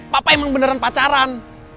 papa emang beneran pacaran